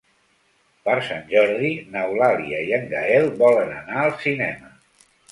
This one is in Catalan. Per Sant Jordi n'Eulàlia i en Gaël volen anar al cinema.